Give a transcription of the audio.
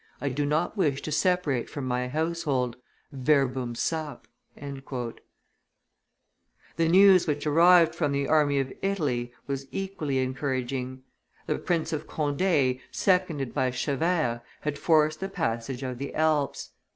"I do not wish to separate from my household: verbum sap." [Illustration: YPRES 151] The news which arrived from the army of Italy was equally encouraging; the Prince of Conde, seconded by Chevert, had forced the passage of the Alps.